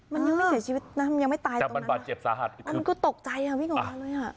มันยังไม่เสียชีวิตมันยังไม่ตายนะมันก็ตกใจอ่าวิ่งออกมาเลยอะ